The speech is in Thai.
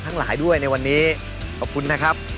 ทั้งหลายด้วยในวันนี้ขอบคุณนะครับ